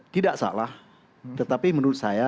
tidak tetapi menurut saya